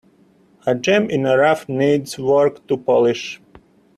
A gem in the rough needs work to polish.